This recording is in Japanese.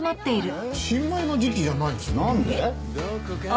新米の時期じゃないですよね。